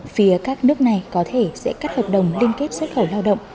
phía các nước này có thể sẽ cắt hợp đồng liên kết xuất khẩu lao động